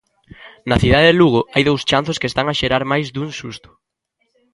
Na cidade de Lugo hai dous chanzos que están a xerar máis dun susto.